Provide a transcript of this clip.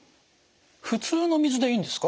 普通の水でいいんですか？